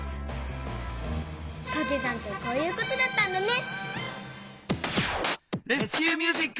かけ算ってこういうことだったんだね！